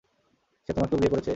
সে তোমাকেও বিয়ে করেছে?